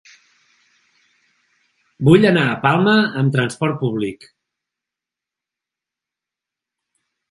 Vull anar a Palma amb transport públic.